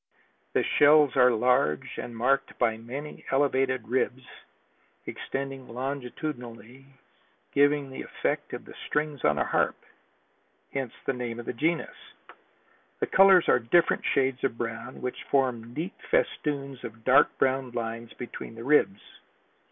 The shells are large and marked by many elevated ribs extending longitudinally, giving the effect of the strings on a harp, hence the name of the genus. The colors are different shades of brown which form neat festoons of dark brown lines between the ribs.